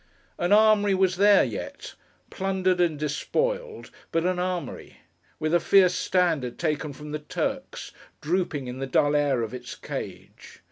An armoury was there yet. Plundered and despoiled; but an armoury. With a fierce standard taken from the Turks, drooping in the dull air of its cage.